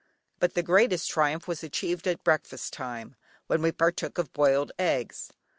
But the greatest triumph was achieved at breakfast time when we partook of boiled eggs.